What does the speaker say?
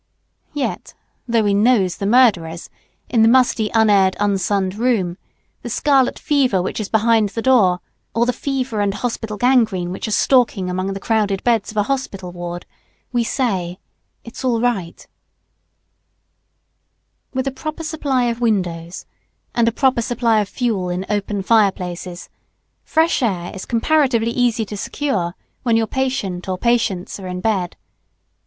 Yet, although we "nose" the murderers, in the musty unaired unsunned room, the scarlet fever which is behind the door, or the fever and hospital gangrene which are stalking among the crowded beds of a hospital ward, we say, "It's all right." [Sidenote: Without chill.] With a proper supply of windows, and a proper supply of fuel in open fire places, fresh air is comparatively easy to secure when your patient or patients are in bed.